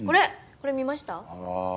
これ見ました？ああ。